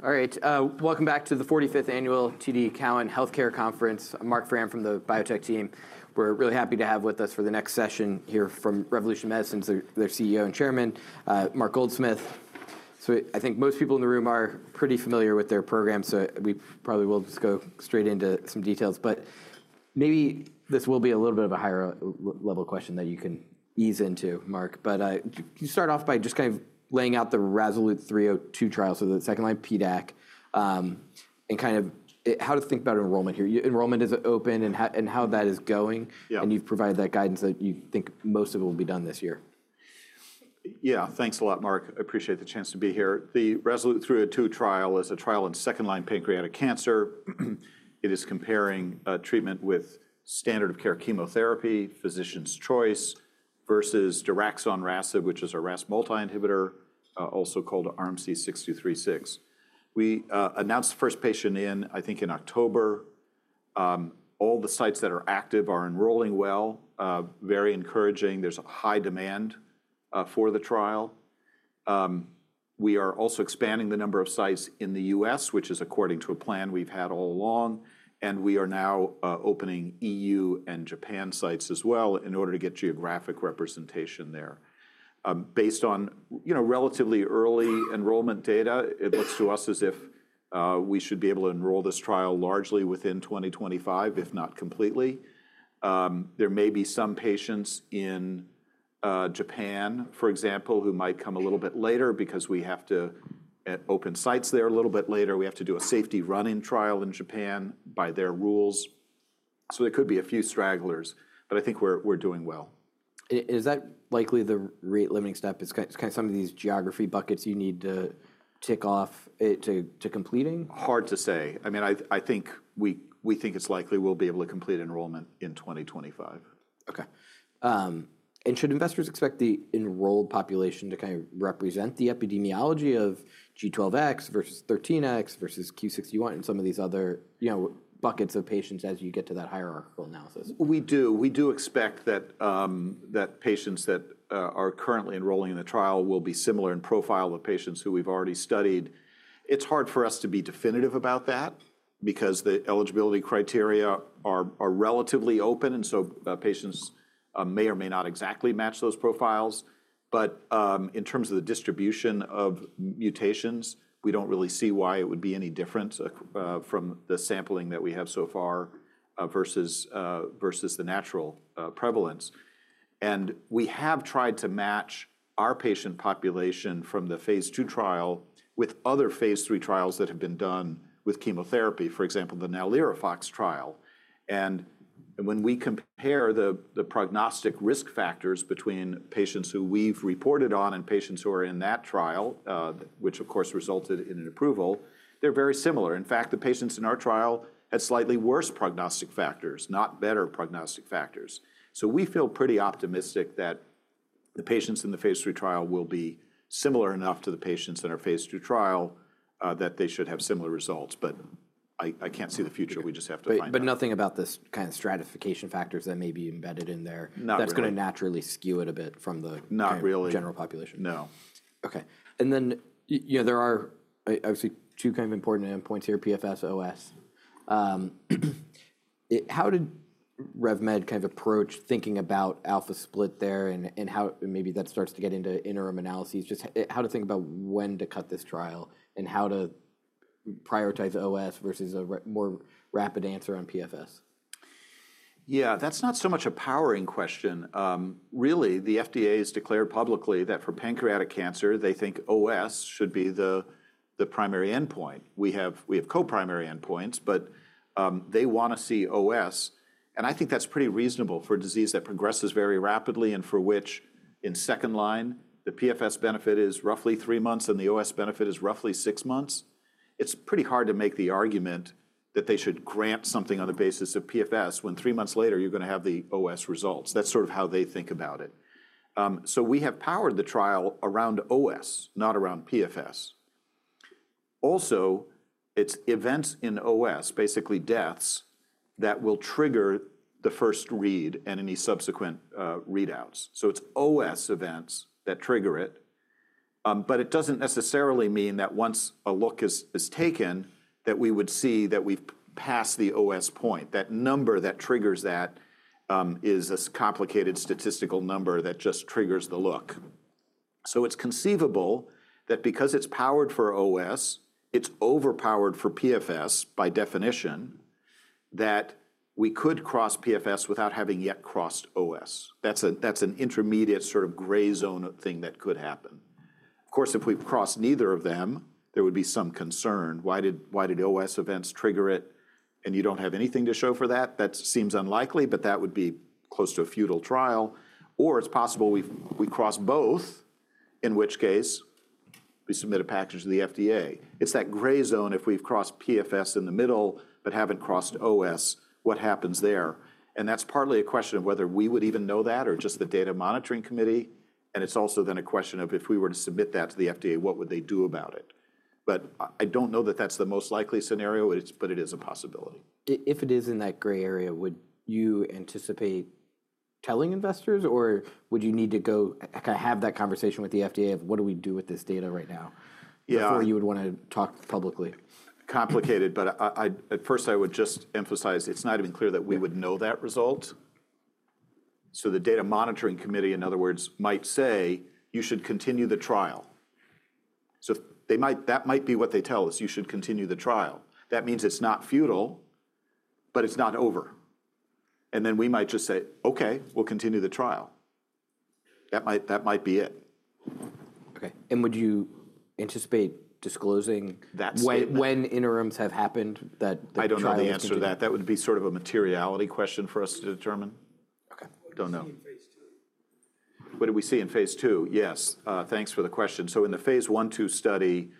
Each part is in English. All right. Welcome back to the 45th Annual TD Cowen Healthcare Conference. I'm Marc Frahm from the biotech team. We're really happy to have with us for the next session here from Revolution Medicines, their CEO and Chairman, Mark Goldsmith. So I think most people in the room are pretty familiar with their program, so we probably will just go straight into some details. But maybe this will be a little bit of a higher-level question that you can ease into, Mark. But can you start off by just kind of laying out the RASolute 302 trials, so the second-line PDAC, and kind of how to think about enrollment here? Enrollment is open, and how that is going, and you've provided that guidance that you think most of it will be done this year. Yeah. Thanks a lot, Marc. I appreciate the chance to be here. The RASolute 302 trial is a trial in second-line pancreatic cancer. It is comparing treatment with standard-of-care chemotherapy, physician's choice, versus RMC-6236, which is a RAS multi-inhibitor, also called RMC-6236. We announced the first patient in, I think, in October. All the sites that are active are enrolling well, very encouraging. There's a high demand for the trial. We are also expanding the number of sites in the U.S., which is according to a plan we've had all along. And we are now opening EU and Japan sites as well in order to get geographic representation there. Based on relatively early enrollment data, it looks to us as if we should be able to enroll this trial largely within 2025, if not completely. There may be some patients in Japan, for example, who might come a little bit later because we have to open sites there a little bit later. We have to do a safety run-in trial in Japan by their rules. So there could be a few stragglers. But I think we're doing well. Is that likely the rate-limiting step? It's kind of some of these geography buckets you need to tick off to completing? Hard to say. I mean, I think we think it's likely we'll be able to complete enrollment in 2025. OK. And should investors expect the enrolled population to kind of represent the epidemiology of G12X versus G13X versus Q61X and some of these other buckets of patients as you get to that hierarchical analysis? We do. We do expect that patients that are currently enrolling in the trial will be similar in profile to patients who we've already studied. It's hard for us to be definitive about that because the eligibility criteria are relatively open, and so patients may or may not exactly match those profiles. But in terms of the distribution of mutations, we don't really see why it would be any different from the sampling that we have so far versus the natural prevalence. And we have tried to match our patient population from the phase II trial with other phase III trials that have been done with chemotherapy, for example, the NALIRIFOX trial. And when we compare the prognostic risk factors between patients who we've reported on and patients who are in that trial, which, of course, resulted in an approval, they're very similar. In fact, the patients in our trial had slightly worse prognostic factors, not better prognostic factors. So we feel pretty optimistic that the patients in the phase III trial will be similar enough to the patients in our phase II trial that they should have similar results. But I can't see the future. We just have to find out. But nothing about this kind of stratification factors that may be embedded in there that's going to naturally skew it a bit from the general population? Not really. No. OK. And then there are, obviously, two kind of important endpoints here, PFS, OS. How did RevMed kind of approach thinking about alpha split there? And maybe that starts to get into interim analyses. Just how to think about when to cut this trial and how to prioritize OS versus a more rapid answer on PFS? Yeah. That's not so much a powering question. Really, the FDA has declared publicly that for pancreatic cancer, they think OS should be the primary endpoint. We have co-primary endpoints, but they want to see OS. And I think that's pretty reasonable for a disease that progresses very rapidly and for which, in second line, the PFS benefit is roughly three months and the OS benefit is roughly six months. It's pretty hard to make the argument that they should grant something on the basis of PFS when three months later you're going to have the OS results. That's sort of how they think about it. So we have powered the trial around OS, not around PFS. Also, it's events in OS, basically deaths, that will trigger the first read and any subsequent readouts. So it's OS events that trigger it. But it doesn't necessarily mean that once a look is taken, that we would see that we've passed the OS point. That number that triggers that is a complicated statistical number that just triggers the look. So it's conceivable that because it's powered for OS, it's overpowered for PFS by definition, that we could cross PFS without having yet crossed OS. That's an intermediate sort of gray zone thing that could happen. Of course, if we cross neither of them, there would be some concern. Why did OS events trigger it and you don't have anything to show for that? That seems unlikely, but that would be close to a futile trial. Or it's possible we cross both, in which case we submit a package to the FDA. It's that gray zone if we've crossed PFS in the middle but haven't crossed OS, what happens there? And that's partly a question of whether we would even know that or just the Data Monitoring Committee. And it's also then a question of if we were to submit that to the FDA, what would they do about it? But I don't know that that's the most likely scenario, but it is a possibility. If it is in that gray area, would you anticipate telling investors? Or would you need to go kind of have that conversation with the FDA of, what do we do with this data right now before you would want to talk publicly? Complicated. But at first, I would just emphasize it's not even clear that we would know that result. So the data monitoring committee, in other words, might say, you should continue the trial. So that might be what they tell us, you should continue the trial. That means it's not futile, but it's not over. And then we might just say, OK, we'll continue the trial. That might be it. OK, and would you anticipate disclosing when interims have happened? I don't know the answer to that. That would be sort of a materiality question for us to determine. OK. Don't know. What did we see in phase II? Yes. Thanks for the question. So in the phase I, II study,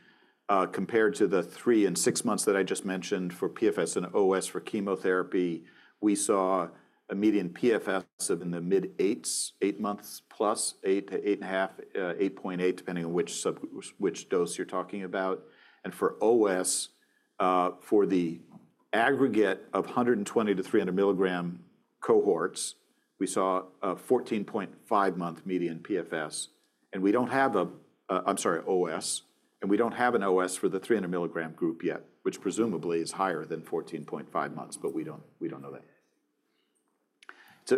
compared to the three and six months that I just mentioned for PFS and OS for chemotherapy, we saw a median PFS of in the mid 8s, eight months+, 8-8.5, 8.8, depending on which dose you're talking about. And for OS, for the aggregate of 120 mg-300 mg cohorts, we saw a 14.5 months median PFS. And we don't have a, I'm sorry, OS. And we don't have an OS for the 300 mg group yet, which presumably is higher than 14.5 months, but we don't know that.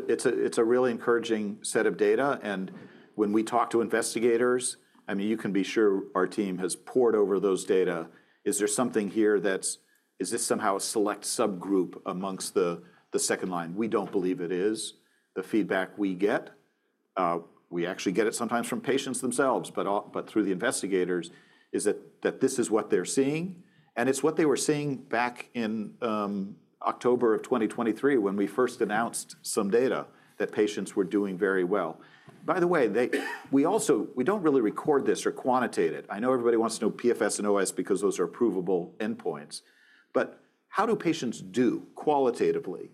It's a really encouraging set of data. And when we talk to investigators, I mean, you can be sure our team has pored over those data. Is there something here that's, is this somehow a select subgroup among the second-line? We don't believe it is. The feedback we get, we actually get it sometimes from patients themselves, but through the investigators, is that this is what they're seeing, and it's what they were seeing back in October of 2023 when we first announced some data that patients were doing very well. By the way, we don't really record this or quantitate it. I know everybody wants to know PFS and OS because those are provable endpoints, but how do patients do qualitatively,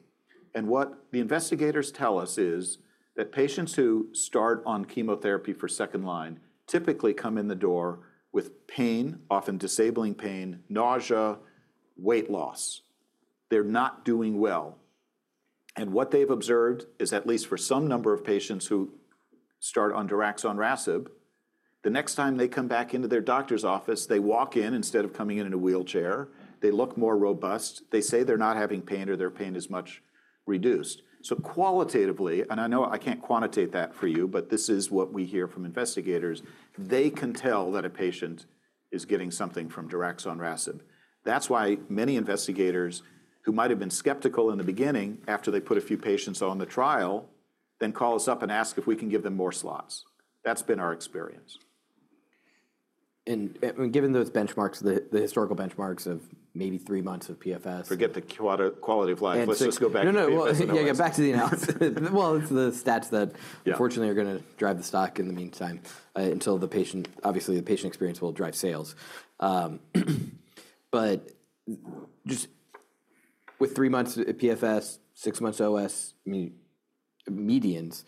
and what the investigators tell us is that patients who start on chemotherapy for second-line typically come in the door with pain, often disabling pain, nausea, weight loss. They're not doing well. What they've observed is, at least for some number of patients who start on daraxonrasib, the next time they come back into their doctor's office, they walk in instead of coming in in a wheelchair. They look more robust. They say they're not having pain or their pain is much reduced. So qualitatively, and I know I can't quantitate that for you, but this is what we hear from investigators. They can tell that a patient is getting something from daraxonrasib. That's why many investigators, who might have been skeptical in the beginning after they put a few patients on the trial, then call us up and ask if we can give them more slots. That's been our experience. Given those benchmarks, the historical benchmarks of maybe three months of PFS. Forget the quality of life. Let's just go back to the. No, no. Yeah, yeah, back to the analysis. Well, it's the stats that, unfortunately, are going to drive the stock in the meantime until the patient, obviously, the patient experience will drive sales. But just with three months of PFS, six months OS, I mean, medians,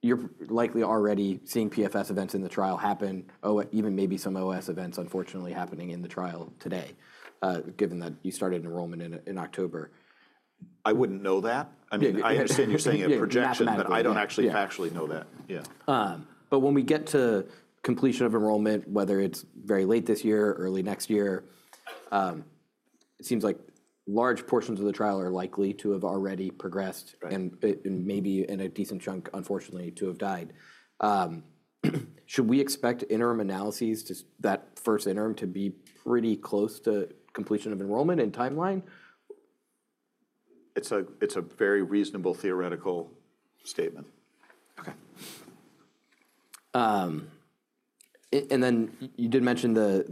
you're likely already seeing PFS events in the trial happen, even maybe some OS events, unfortunately, happening in the trial today, given that you started enrollment in October. I wouldn't know that. I mean, I understand you're saying a projection, but I don't actually factually know that. Yeah. But when we get to completion of enrollment, whether it's very late this year, early next year, it seems like large portions of the trial are likely to have already progressed and maybe in a decent chunk, unfortunately, to have died. Should we expect interim analyses, that first interim, to be pretty close to completion of enrollment and timeline? It's a very reasonable theoretical statement. OK, and then you did mention to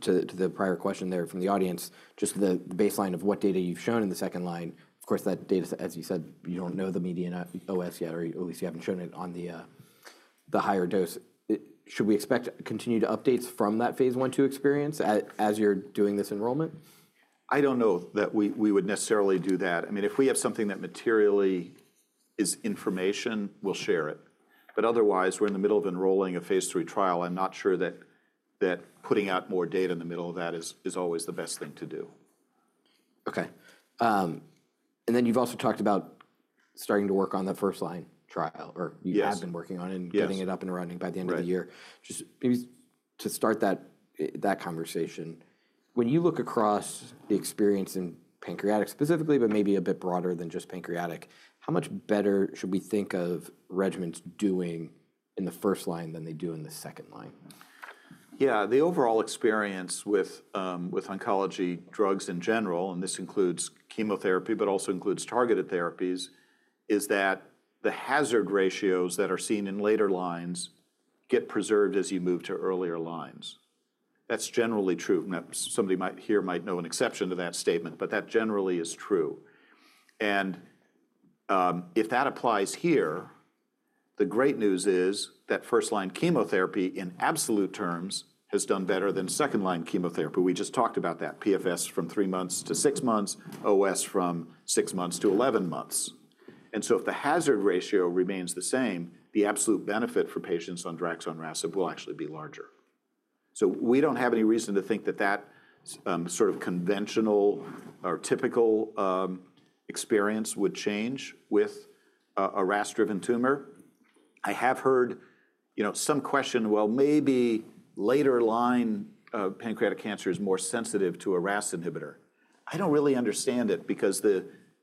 the prior question there from the audience just the baseline of what data you've shown in the second-line. Of course, that data, as you said, you don't know the median OS yet, or at least you haven't shown it on the higher dose. Should we expect continued updates from that phase I, II experience as you're doing this enrollment? I don't know that we would necessarily do that. I mean, if we have something that materially is information, we'll share it. But otherwise, we're in the middle of enrolling a phase III trial. I'm not sure that putting out more data in the middle of that is always the best thing to do. OK. And then you've also talked about starting to work on the first-line trial, or you have been working on it and getting it up and running by the end of the year. Just maybe to start that conversation, when you look across the experience in pancreatic specifically, but maybe a bit broader than just pancreatic, how much better should we think of regimens doing in the first-line than they do in the second-line? Yeah. The overall experience with oncology drugs in general, and this includes chemotherapy, but also includes targeted therapies, is that the hazard ratios that are seen in later lines get preserved as you move to earlier lines. That's generally true. Somebody here might know an exception to that statement, but that generally is true. And if that applies here, the great news is that first line chemotherapy, in absolute terms, has done better than second line chemotherapy. We just talked about that, PFS from three months to six months, OS from six months to 11 months. And so if the hazard ratio remains the same, the absolute benefit for patients on RMC-6236 will actually be larger. So we don't have any reason to think that that sort of conventional or typical experience would change with a RAS-driven tumor. I have heard some questions. Well, maybe later-line pancreatic cancer is more sensitive to a RAS inhibitor. I don't really understand it because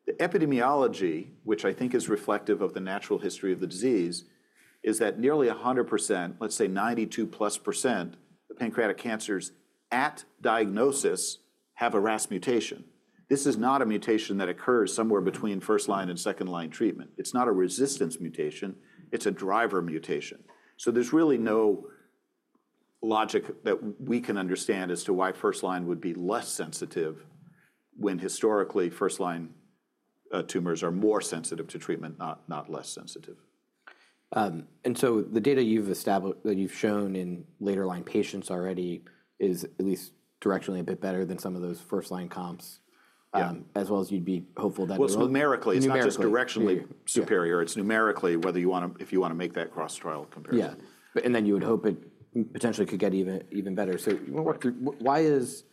the epidemiology, which I think is reflective of the natural history of the disease, is that nearly 100%, let's say 92%+, the pancreatic cancers at diagnosis have a RAS mutation. This is not a mutation that occurs somewhere between first-line and second-line treatment. It's not a resistance mutation. It's a driver mutation. So there's really no logic that we can understand as to why first-line would be less sensitive when historically first-line tumors are more sensitive to treatment, not less sensitive. And so the data you've shown in later-line patients already is at least directionally a bit better than some of those first-line comps, as well as you'd be hopeful that. It's numerically. It's not just directionally superior. It's numerically whether you want to, if you want to make that cross-trial comparison. Yeah. And then you would hope it potentially could get even better, so why is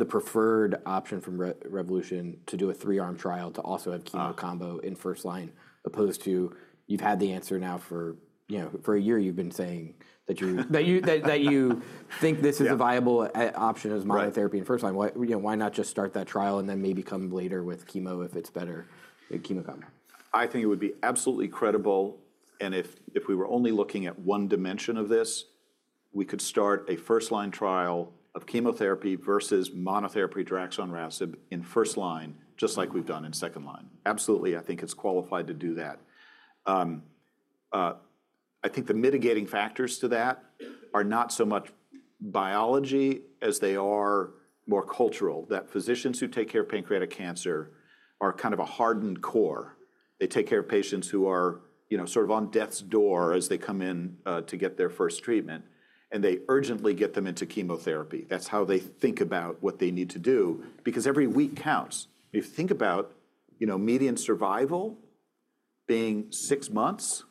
the preferred option from Revolution to do a three-arm trial to also have chemo combo in first line, opposed to you've had the answer now for a year, you've been saying that you think this is a viable option as monotherapy in first line? Why not just start that trial and then maybe come later with chemo if it's better, chemo combo? I think it would be absolutely credible, and if we were only looking at one dimension of this, we could start a first line trial of chemotherapy versus monotherapy daraxonrasib in first line, just like we've done in second line. Absolutely, I think it's qualified to do that. I think the mitigating factors to that are not so much biology as they are more cultural, that physicians who take care of pancreatic cancer are kind of a hardened core. They take care of patients who are sort of on death's door as they come in to get their first treatment, and they urgently get them into chemotherapy. That's how they think about what they need to do because every week counts. If you think about median survival being six months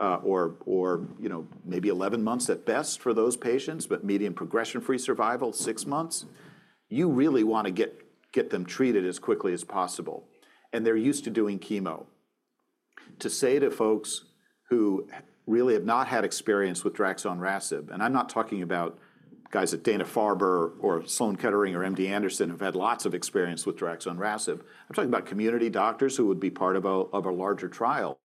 or maybe 11 months at best for those patients, but median progression-free survival, six months, you really want to get them treated as quickly as possible, and they're used to doing chemo. To say to folks who really have not had experience with RMC-6236, and I'm not talking about guys at Dana-Farber or Sloan Kettering or MD Anderson who've had lots of experience with RMC-6236, I'm talking about community doctors who would be part of a larger trial,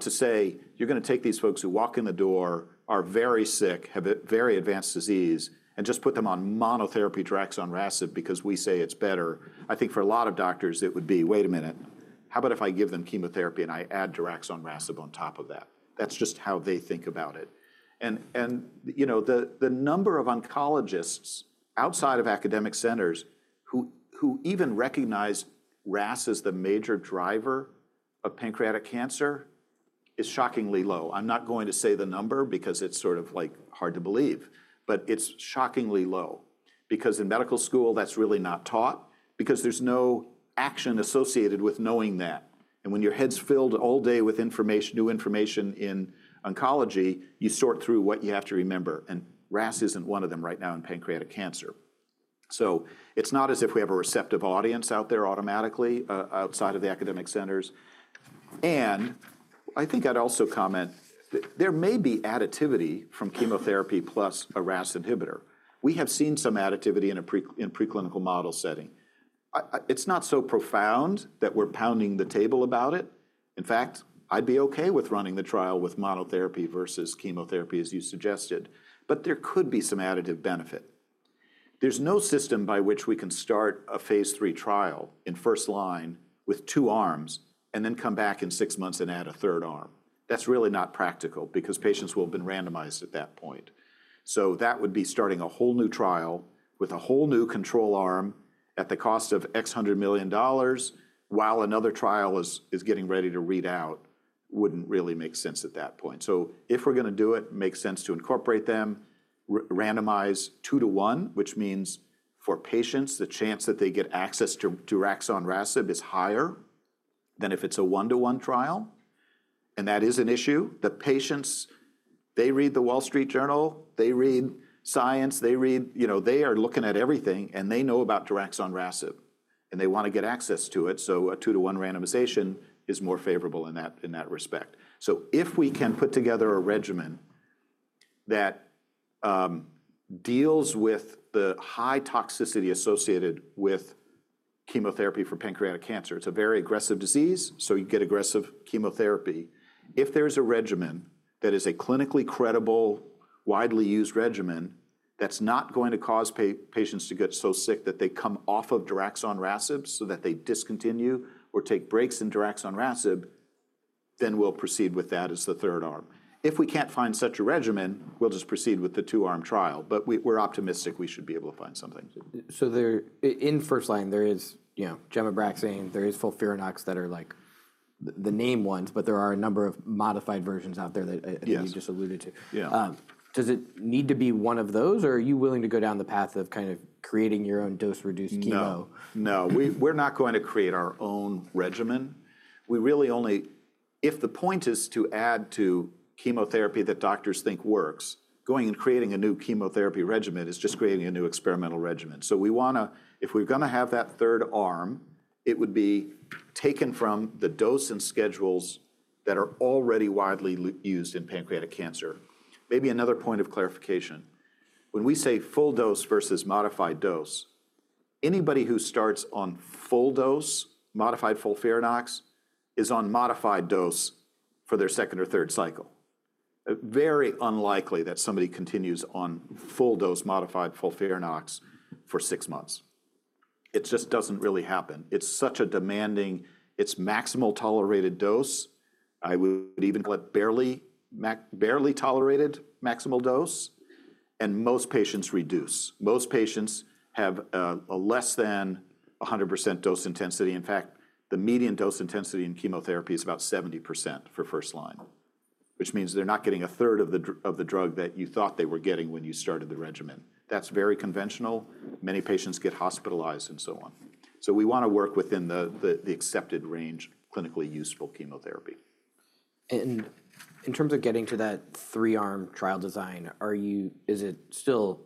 to say, you're going to take these folks who walk in the door, are very sick, have very advanced disease, and just put them on monotherapy RMC-6236 because we say it's better. I think for a lot of doctors, it would be, wait a minute, how about if I give them chemotherapy and I add RMC-6236 on top of that? That's just how they think about it. And the number of oncologists outside of academic centers who even recognize RAS as the major driver of pancreatic cancer is shockingly low. I'm not going to say the number because it's sort of like hard to believe, but it's shockingly low because in medical school, that's really not taught because there's no action associated with knowing that. And when your head's filled all day with new information in oncology, you sort through what you have to remember. And RAS isn't one of them right now in pancreatic cancer. So it's not as if we have a receptive audience out there automatically outside of the academic centers. And I think I'd also comment there may be additivity from chemotherapy plus a RAS inhibitor. We have seen some additivity in a preclinical model setting. It's not so profound that we're pounding the table about it. In fact, I'd be OK with running the trial with monotherapy versus chemotherapy, as you suggested. But there could be some additive benefit. There's no system by which we can start a phase III trial in first-line with two arms and then come back in six months and add a third arm. That's really not practical because patients will have been randomized at that point. So that would be starting a whole new trial with a whole new control arm at the cost of $X hundred million while another trial is getting ready to read out, wouldn't really make sense at that point. If we're going to do it, it makes sense to incorporate them, randomize two to one, which means for patients, the chance that they get access to daraxonrasib is higher than if it's a one-to-one trial. That is an issue. The patients, they read The Wall Street Journal, they read Science, they read, they are looking at everything, and they know about daraxonrasib, and they want to get access to it. A two-to-one randomization is more favorable in that respect. If we can put together a regimen that deals with the high toxicity associated with chemotherapy for pancreatic cancer, it's a very aggressive disease, so you get aggressive chemotherapy. If there is a regimen that is a clinically credible, widely used regimen that's not going to cause patients to get so sick that they come off of RMC-6236 so that they discontinue or take breaks in RMC-6236, then we'll proceed with that as the third arm. If we can't find such a regimen, we'll just proceed with the two-arm trial. But we're optimistic we should be able to find something. In first-line, there is gemcitabine. There is FOLFIRINOX that are like the named ones, but there are a number of modified versions out there that you just alluded to. Does it need to be one of those, or are you willing to go down the path of kind of creating your own dose-reduced chemo? No, no. We're not going to create our own regimen. We really only, if the point is to add to chemotherapy that doctors think works, going and creating a new chemotherapy regimen is just creating a new experimental regimen. So we want to, if we're going to have that third arm, it would be taken from the dose and schedules that are already widely used in pancreatic cancer. Maybe another point of clarification. When we say full dose versus modified dose, anybody who starts on full dose modified FOLFIRINOX is on modified dose for their second or third cycle. Very unlikely that somebody continues on full dose modified FOLFIRINOX for six months. It just doesn't really happen. It's such a demanding, it's maximal tolerated dose. I would even call it barely tolerated maximal dose, and most patients reduce. Most patients have a less than 100% dose intensity. In fact, the median dose intensity in chemotherapy is about 70% for first line, which means they're not getting a third of the drug that you thought they were getting when you started the regimen. That's very conventional. Many patients get hospitalized and so on. So we want to work within the accepted range, clinically useful chemotherapy. In terms of getting to that three-arm trial design, is it still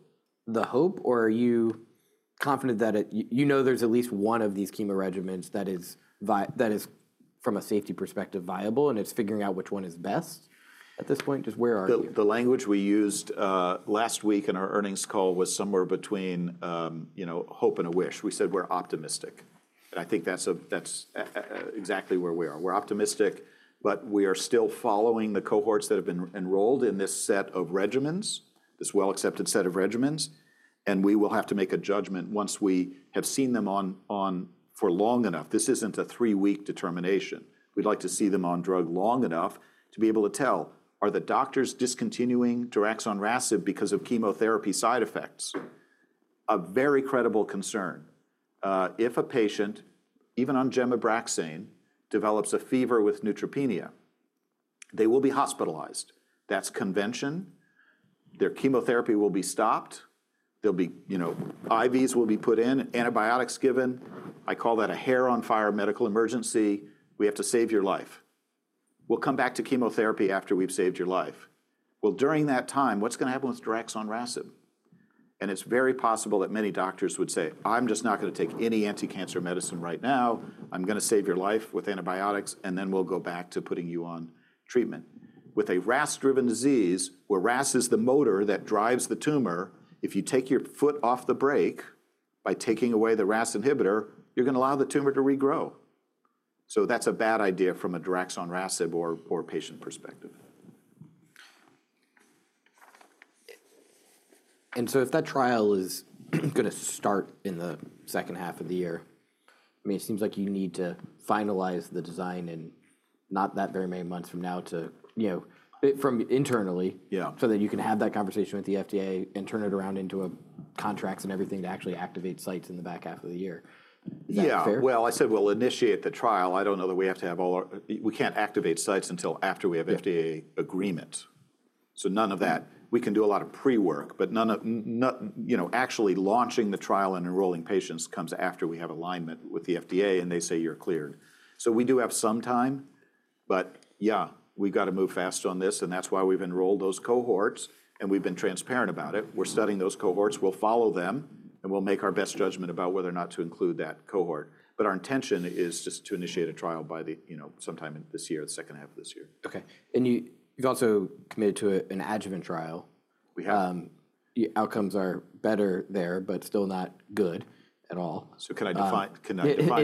the hope, or are you confident that you know there's at least one of these chemo regimens that is, from a safety perspective, viable, and it's figuring out which one is best at this point? Just where are you? The language we used last week in our earnings call was somewhere between hope and a wish. We said we're optimistic, and I think that's exactly where we are. We're optimistic, but we are still following the cohorts that have been enrolled in this set of regimens, this well-accepted set of regimens, and we will have to make a judgment once we have seen them on for long enough. This isn't a three-week determination. We'd like to see them on drug long enough to be able to tell, are the doctors discontinuing RMC-6236 because of chemotherapy side effects? A very credible concern. If a patient, even on gemcitabine, develops a fever with neutropenia, they will be hospitalized. That's convention. Their chemotherapy will be stopped. IVs will be put in, antibiotics given. I call that a hair-on-fire medical emergency. We have to save your life. We'll come back to chemotherapy after we've saved your life. Well, during that time, what's going to happen with daraxonrasib? And it's very possible that many doctors would say, I'm just not going to take any anti-cancer medicine right now. I'm going to save your life with antibiotics, and then we'll go back to putting you on treatment. With a RAS-driven disease, where RAS is the motor that drives the tumor, if you take your foot off the brake by taking away the RAS inhibitor, you're going to allow the tumor to regrow. So that's a bad idea from a daraxonrasib or patient perspective. And so, if that trial is going to start in the second half of the year, I mean, it seems like you need to finalize the design in not that very many months from now, from internally, so that you can have that conversation with the FDA and turn it around into contracts and everything to actually activate sites in the back half of the year. Is that fair? Yeah. Well, I said we'll initiate the trial. I don't know that we have to have all our, we can't activate sites until after we have FDA agreement. So none of that. We can do a lot of pre-work, but actually launching the trial and enrolling patients comes after we have alignment with the FDA and they say you're cleared. So we do have some time, but yeah, we've got to move fast on this. And that's why we've enrolled those cohorts, and we've been transparent about it. We're studying those cohorts. We'll follow them, and we'll make our best judgment about whether or not to include that cohort. But our intention is just to initiate a trial by sometime this year, the second half of this year. OK. And you've also committed to an adjuvant trial. We have. Outcomes are better there, but still not good at all. So can I define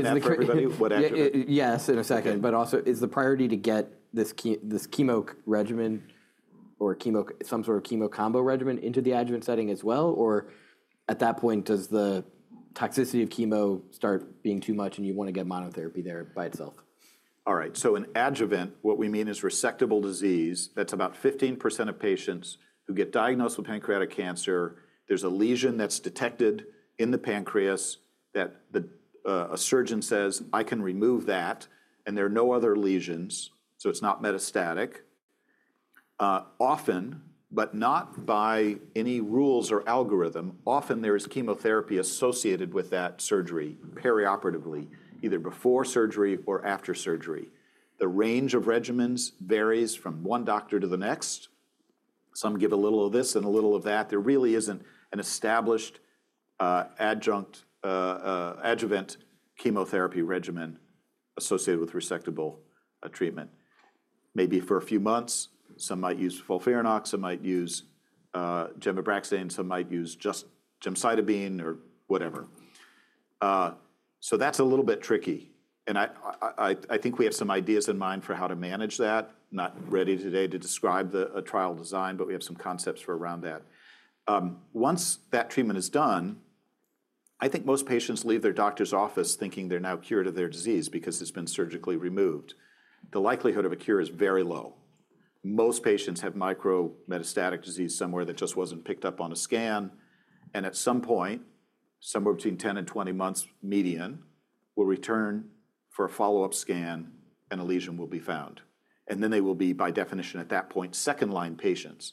that for everybody? What adjuvant? Yes, in a second. But also, is the priority to get this chemo regimen or some sort of chemo combo regimen into the adjuvant setting as well? Or at that point, does the toxicity of chemo start being too much and you want to get monotherapy there by itself? All right, so an adjuvant, what we mean is resectable disease. That's about 15% of patients who get diagnosed with pancreatic cancer. There's a lesion that's detected in the pancreas that a surgeon says, I can remove that, and there are no other lesions, so it's not metastatic. Often, but not by any rules or algorithm, often there is chemotherapy associated with that surgery perioperatively, either before surgery or after surgery. The range of regimens varies from one doctor to the next. Some give a little of this and a little of that. There really isn't an established adjuvant chemotherapy regimen associated with resectable treatment. Maybe for a few months, some might use FOLFIRINOX, some might use gemcitabine, some might use just gemcitabine or whatever. So that's a little bit tricky, and I think we have some ideas in mind for how to manage that. Not ready today to describe a trial design, but we have some concepts around that. Once that treatment is done, I think most patients leave their doctor's office thinking they're now cured of their disease because it's been surgically removed. The likelihood of a cure is very low. Most patients have micrometastatic disease somewhere that just wasn't picked up on a scan, and at some point, somewhere between 10-20 months median, will return for a follow-up scan, and a lesion will be found, and then they will be, by definition, at that point, second-line patients,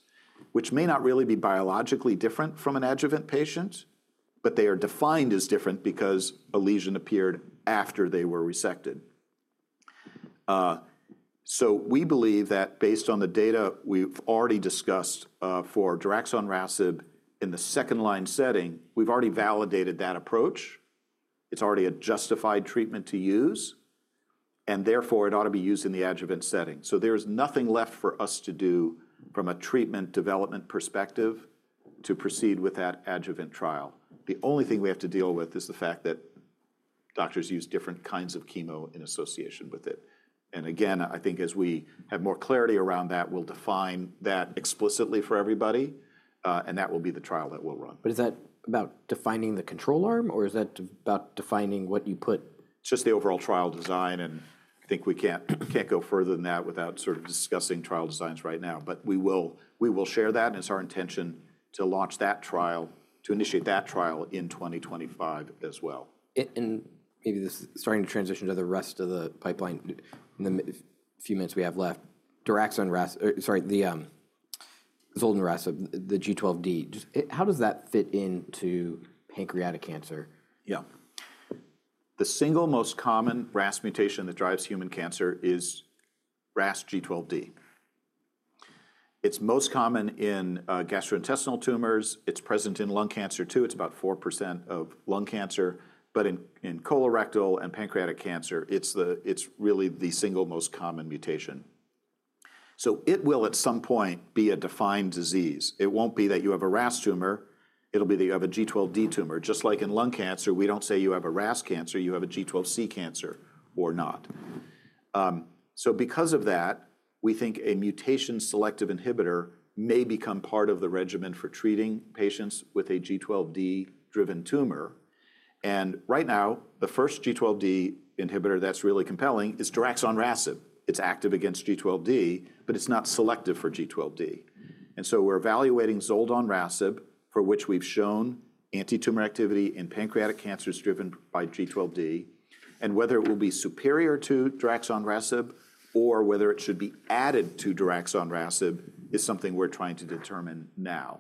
which may not really be biologically different from an adjuvant patient, but they are defined as different because a lesion appeared after they were resected, so we believe that based on the data we've already discussed for daraxonrasib in the second-line setting, we've already validated that approach. It's already a justified treatment to use, and therefore it ought to be used in the adjuvant setting, so there is nothing left for us to do from a treatment development perspective to proceed with that adjuvant trial. The only thing we have to deal with is the fact that doctors use different kinds of chemo in association with it, and again, I think as we have more clarity around that, we'll define that explicitly for everybody, and that will be the trial that we'll run. But is that about defining the control arm, or is that about defining what you put? Just the overall trial design, and I think we can't go further than that without sort of discussing trial designs right now, but we will share that, and it's our intention to launch that trial, to initiate that trial in 2025 as well. And maybe this is starting to transition to the rest of the pipeline. In the few minutes we have left, RMC-6236, sorry, the RMC-9805, the G12D, how does that fit into pancreatic cancer? Yeah. The single most common RAS mutation that drives human cancer is RAS G12D. It's most common in gastrointestinal tumors. It's present in lung cancer too. It's about 4% of lung cancer, but in colorectal and pancreatic cancer, it's really the single most common mutation, so it will at some point be a defined disease. It won't be that you have a RAS tumor. It'll be that you have a G12D tumor. Just like in lung cancer, we don't say you have a RAS cancer, you have a G12C cancer or not, so because of that, we think a mutation selective inhibitor may become part of the regimen for treating patients with a G12D-driven tumor, and right now, the first G12D inhibitor that's really compelling is daraxonrasib. It's active against G12D, but it's not selective for G12D. We're evaluating zoldonrasib, for which we've shown anti-tumor activity in pancreatic cancers driven by G12D. Whether it will be superior to daraxonrasib or whether it should be added to daraxonrasib is something we're trying to determine now.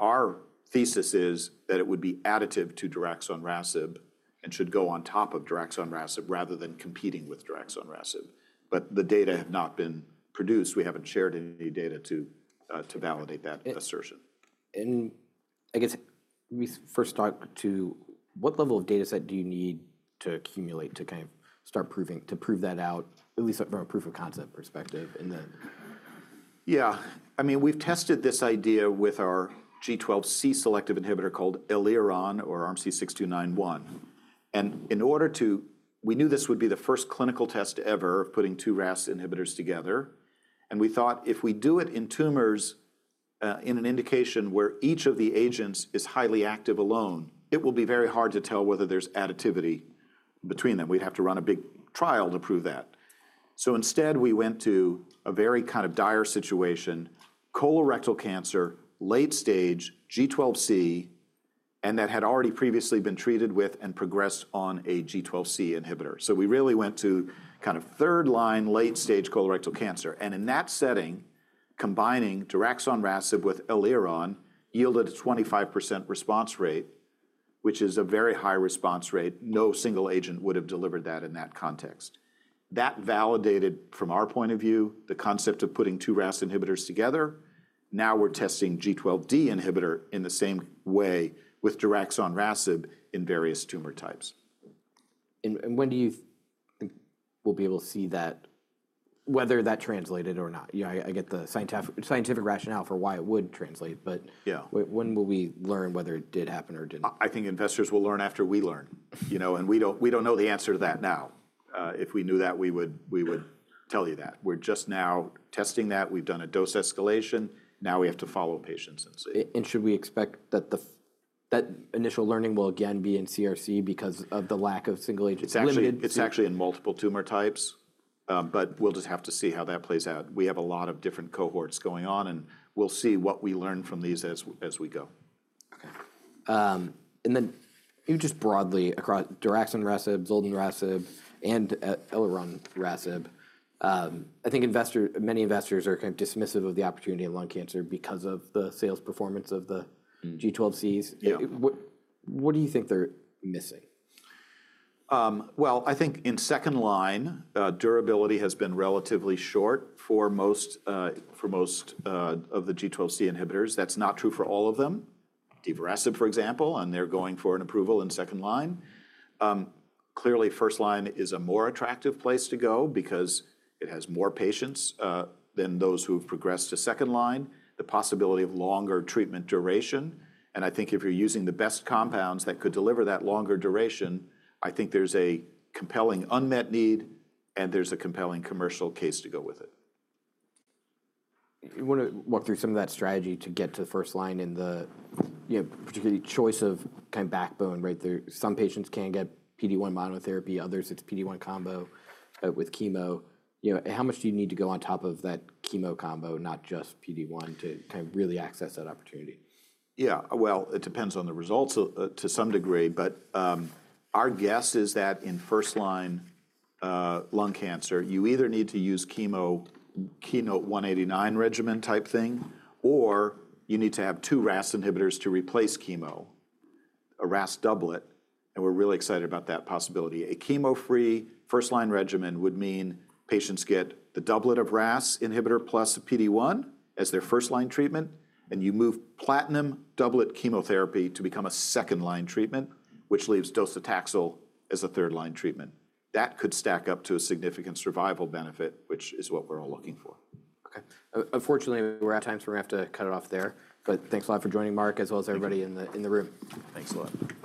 Our thesis is that it would be additive to daraxonrasib and should go on top of daraxonrasib rather than competing with daraxonrasib. The data have not been produced. We haven't shared any data to validate that assertion. I guess we first talk to what level of data set do you need to accumulate to kind of start proving that out, at least from a proof of concept perspective? Yeah. I mean, we've tested this idea with our G12C selective inhibitor called elironrasib or RMC-6291. And in order to, we knew this would be the first clinical test ever of putting two RAS inhibitors together. And we thought if we do it in tumors in an indication where each of the agents is highly active alone, it will be very hard to tell whether there's additivity between them. We'd have to run a big trial to prove that. So instead, we went to a very kind of dire situation, colorectal cancer, late stage, G12C, and that had already previously been treated with and progressed on a G12C inhibitor. So we really went to kind of third line, late stage colorectal cancer. And in that setting, combining daraxonrasib with elironrasib yielded a 25% response rate, which is a very high response rate. No single agent would have delivered that in that context. That validated, from our point of view, the concept of putting two RAS inhibitors together. Now we're testing G12D inhibitor in the same way with daraxonrasib in various tumor types. When do you think we'll be able to see that, whether that translated or not? I get the scientific rationale for why it would translate, but when will we learn whether it did happen or didn't? I think investors will learn after we learn, and we don't know the answer to that now. If we knew that, we would tell you that. We're just now testing that. We've done a dose escalation. Now we have to follow patients and see. Should we expect that initial learning will again be in CRC because of the lack of single agent? It's actually in multiple tumor types, but we'll just have to see how that plays out. We have a lot of different cohorts going on, and we'll see what we learn from these as we go. OK. And then maybe just broadly across daraxonrasib, zoldonrasib, and elironrasib, I think many investors are kind of dismissive of the opportunity in lung cancer because of the sales performance of the G12Cs. What do you think they're missing? I think in second-line, durability has been relatively short for most of the G12C inhibitors. That's not true for all of them. Divarasib, for example, and they're going for an approval in second-line. Clearly, first-line is a more attractive place to go because it has more patients than those who have progressed to second-line, the possibility of longer treatment duration. I think if you're using the best compounds that could deliver that longer duration, I think there's a compelling unmet need, and there's a compelling commercial case to go with it. You want to walk through some of that strategy to get to the first line in the particularly choice of kind of backbone, right? Some patients can get PD-1 monotherapy, others it's PD-1 combo with chemo. How much do you need to go on top of that chemo combo, not just PD-1, to kind of really access that opportunity? Yeah. Well, it depends on the results to some degree, but our guess is that in first-line lung cancer, you either need to use chemo KEYNOTE-189 regimen type thing, or you need to have two RAS inhibitors to replace chemo, a RAS doublet. And we're really excited about that possibility. A chemo-free first-line regimen would mean patients get the doublet of RAS inhibitor plus PD-1 as their first-line treatment, and you move platinum doublet chemotherapy to become a second-line treatment, which leaves docetaxel as a third-line treatment. That could stack up to a significant survival benefit, which is what we're all looking for. OK. Unfortunately, we're at times where we have to cut it off there. But thanks a lot for joining, Mark, as well as everybody in the room. Thanks a lot.